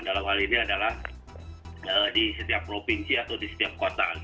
dalam hal ini adalah di setiap provinsi atau di setiap kota